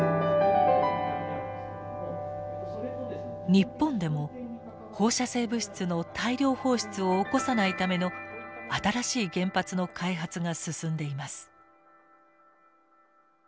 日本でも放射性物質の大量放出を起こさないための新しい原発の開発が進んでいます。